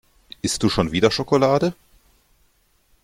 Isst du schon wieder Schokolade?